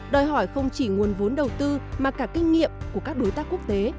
đòi hỏi không chỉ nguồn vốn đầu tư mà cả kinh nghiệm của các đối tác quốc tế